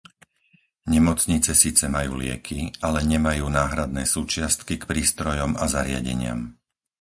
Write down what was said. Nemocnice síce majú lieky, ale nemajú náhradné súčiastky k prístrojom a zariadeniam.